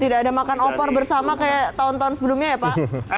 tidak ada makan opor bersama kayak tahun tahun sebelumnya ya pak